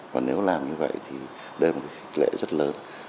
và nếu làm như vậy thì đây là một khích lệ rất lớn